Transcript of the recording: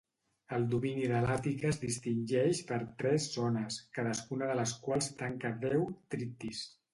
El domini de l'Àtica es distingeix per tres zones, cadascuna de les quals tanca deu "trittis".